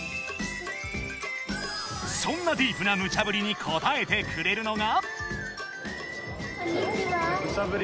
［そんなディープなムチャぶりに応えてくれるのが］